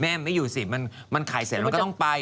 แม่มันไม่อยู่สิมันขายเสร็จแล้วก็ต้องไป